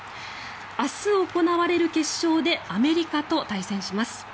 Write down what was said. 明日行われる決勝でアメリカと対戦します。